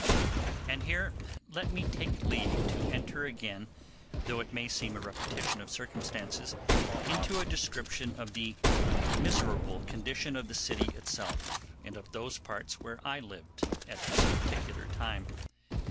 And here let me take leave to enter again, though it may seem a repetition of circumstances, into a description of the miserable condition of the city itself, and of those parts where I lived at this particular time.